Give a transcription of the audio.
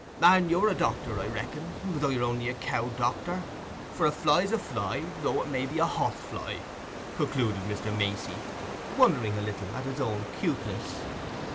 "And you're a doctor, I reckon, though you're only a cow doctor—for a fly's a fly, though it may be a hoss fly," concluded Mr. Macey, wondering a little at his own "'cuteness".